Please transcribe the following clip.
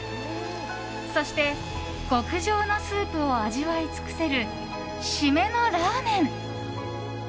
そして、極上のスープを味わい尽くせる締めのラーメン。